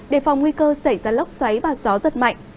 đề phòng nguy cơ xảy ra lốc xoáy và gió giật mạnh